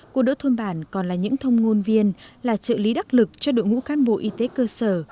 cô đỡ thôn bản còn là những thông ngôn viên là trợ lý đắc lực cho đội ngũ cán bộ y tế cơ sở